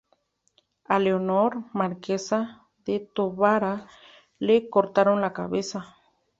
A Leonor, marquesa de Távora, le cortaron la cabeza.